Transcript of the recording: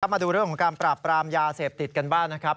มาดูเรื่องของการปราบปรามยาเสพติดกันบ้างนะครับ